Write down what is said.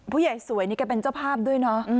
ผู้ใหญ่สวยนี่แกเป็นเจ้าภาพด้วยนะ